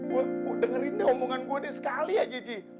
gua dengerin omongan gua sekali aja g